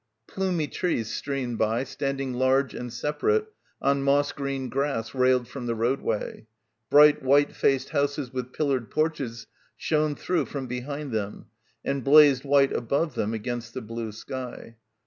Plumy trees streamed by, standing large and separate on moss green grass railed from the roadway. Bright white faced houses with pillared porches shone through from behind them and blazed white above them against the blue sky.